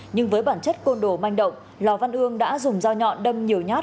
nhưng với bản chất côn đồ manh động lò văn ương đã dùng dao nhọn đâm nhiều nhát